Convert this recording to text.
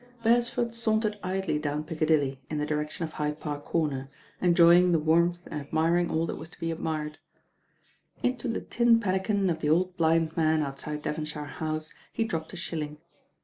Beresford sauntered idly down Piccadilly in the direction of Hyde Park Corner, enjoying the warmth and admiring all that was to be admired. 85 86 THE RAIN GIRL I ; Into the tin pannikin of the old blind man outside Devonshire House he dropped a shilling.